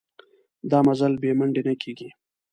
دا مزل بې منډې نه کېږي.